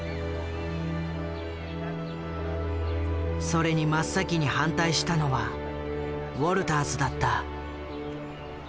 それに真っ先に反対したのはウォルターズだった。